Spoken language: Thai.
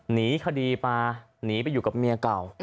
หนีคดีมาหนีไปอยู่กับเมียเก่า